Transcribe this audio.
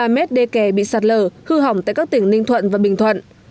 hai sáu trăm sáu mươi ba m đê kè bị sạt lở hư hỏng tại các tỉnh ninh thuận và bình thuận